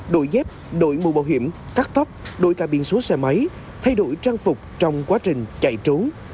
đổi dép đổi mùa bảo hiểm cắt tóc đổi cả biển số xe máy thay đổi trang phục trong quá trình chạy trốn